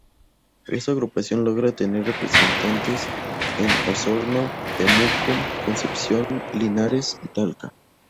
Esta agrupación logra tener representantes en Osorno, Temuco, Concepción, Linares y Talca.